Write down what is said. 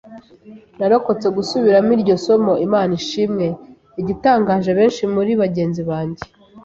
Narokotse gusubiramo iryo somo. Imana ishimwe! Igitangaje, benshi muri bagenzi banjye